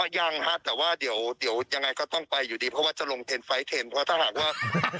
ยังฮะแต่ว่าเดี๋ยวยังไงก็ต้องไปอยู่ดีเพราะว่าจะลงเทนไฟล์เทนเพราะถ้าหากว่า